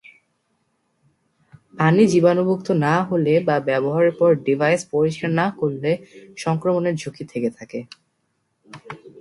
পানি জীবাণুমুক্ত না হলে বা ব্যবহারের পর ডিভাইস পরিষ্কার না করলে সংক্রমণের ঝুঁকি থাকে।